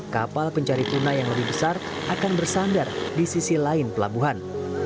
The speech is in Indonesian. kapal pencari tuna yang lebih besar akan bersandar di sisi lain pelabuhan